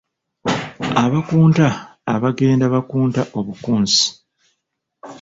Abakunta abaagenda bakunta obukunsi.